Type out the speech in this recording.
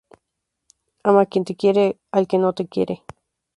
Ama a quien te quiere, al que no te quiere.